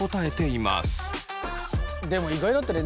でも意外だったね。